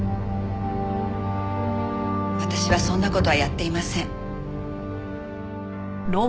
私はそんな事はやっていません。